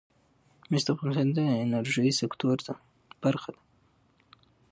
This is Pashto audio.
مس د افغانستان د انرژۍ سکتور برخه ده.